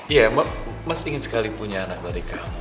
iya mas ingin sekali punya anak dari kamu